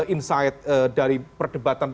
insight dari perdebatan